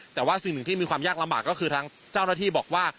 แต่ว่าสิ่งหนึ่งที่มีความยากลำบากก็คือทางเจ้าหน้าที่บอกว่า